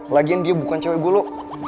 lagian dia bukan cewe gue lo